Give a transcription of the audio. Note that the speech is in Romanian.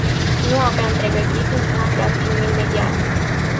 Nu aveam pregătit un plan de acțiune imediat.